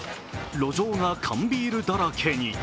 路上が缶ビールだらけに。